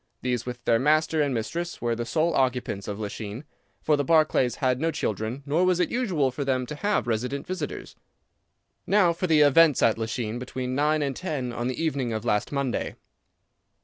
These with their master and mistress were the sole occupants of Lachine, for the Barclays had no children, nor was it usual for them to have resident visitors. "Now for the events at Lachine between nine and ten on the evening of last Monday."